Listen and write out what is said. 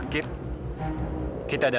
ku mau kemana